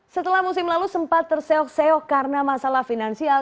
setelah musim lalu sempat terseok seok karena masalah finansial